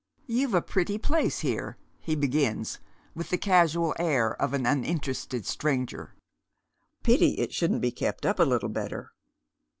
" You've a pretty place here," he begins, with the casual air of an uninterested stranger. " Pity it shouldn't be kept up a little better."